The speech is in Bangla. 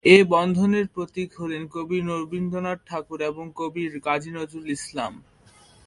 এই বন্ধনের প্রতীক হলেন কবি রবীন্দ্রনাথ ঠাকুর এবং কবি কাজী নজরুল ইসলাম।